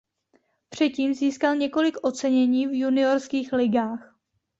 Předtím získal několik ocenění v juniorských ligách.